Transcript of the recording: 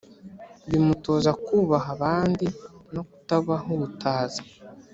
bimutoza kubaha abandi, no kutabahutaza